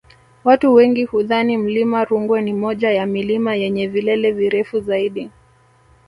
Watu wengi hudhani mlima Rungwe ni moja ya milima yenye vilele virefu zaidi